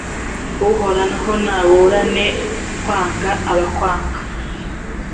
Uhoraho nabura nte kwanga abakwanga?